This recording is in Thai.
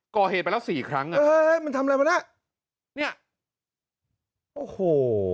ก็ไปแล้วสี่ครั้งอ่ะเห้มันทำอะไรบ้างน่ะเนี้ยโอ้โห